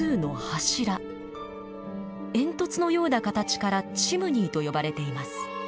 煙突のような形からチムニーと呼ばれています。